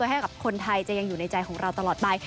ให้กับคนไทยจะยังอยู่ในใจของเราตลอดไป